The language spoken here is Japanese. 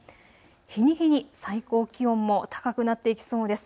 日に日に最高気温も高くなっていきそうです。